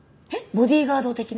ボディーガード的な？